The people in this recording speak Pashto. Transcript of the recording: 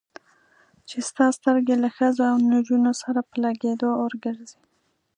چې ستا سترګې له ښځو او نجونو سره په لګېدو اور ګرځي.